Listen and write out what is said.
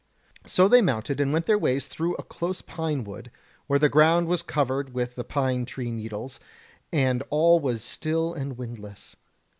So they mounted and went their ways through a close pine wood, where the ground was covered with the pine tree needles, and all was still and windless.